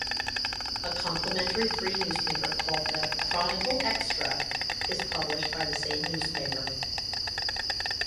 A complimentary free newspaper called the "Chronicle Xtra" is published by the same newspaper.